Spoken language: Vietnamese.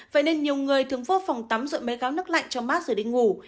vậy nên nhiều người thường vô phòng tắm rồi mấy gáo nước lạnh cho mát rồi đi ngủ